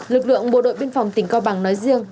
lực lượng bộ đội biên phòng tỉnh cao bằng nói riêng